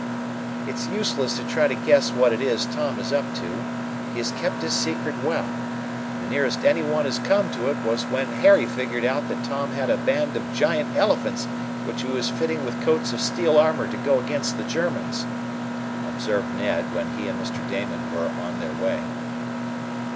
"It's useless to try to guess what it is Tom is up to. He has kept his secret well. The nearest any one has come to it was when Harry figured out that Tom had a band of giant elephants which he was fitting with coats of steel armor to go against the Germans," observed Ned, when he and Mr. Damon were on their way.